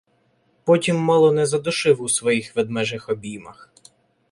Потім мало не задушив у своїх ведмежих обіймах.